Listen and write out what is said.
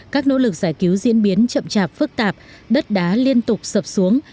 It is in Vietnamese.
các nỗ lực giải cứu diễn biến chậm chạp phức tạp đất đá liên tục sập xuống